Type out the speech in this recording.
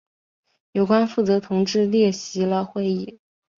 有关负责同志列席了会议。